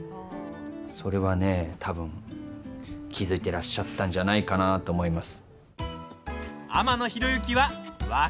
それはね多分、気付いていらっしゃったんじゃないかなと思います。